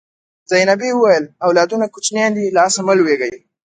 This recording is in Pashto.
زینبې وویل اولادونه کوچنیان دي له آسه مه لوېږئ.